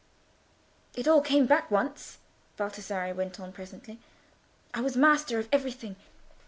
"It all came back once," Baldassarre went on presently. "I was master of everything.